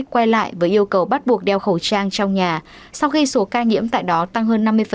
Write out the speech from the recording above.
quay lại với yêu cầu bắt buộc đeo khẩu trang trong nhà sau khi số ca nhiễm tại đó tăng hơn năm mươi